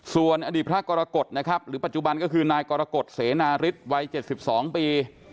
ส่วนอดีตพระกรกฎนะครับหรือปัจจุบันก็คือนายกรกฎเสนาฤทธิวัย๗๒ปี